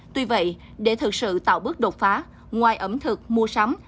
tuy vậy để thực sự tạo bước đột phá ngoài ẩm thực mua sắm